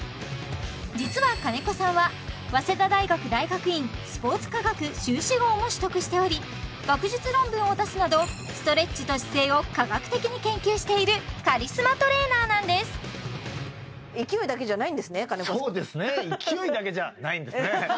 実は兼子さんは早稲田大学大学院スポーツ科学修士号も取得しており学術論文を出すなどストレッチと姿勢を科学的に研究しているカリスマトレーナーなんですそうですね勢いだけじゃないんですね